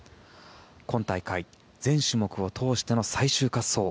今大会、全種目を通しての最終滑走。